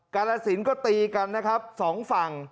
กาลสินก็ตีกันนะครับสองฝั่ง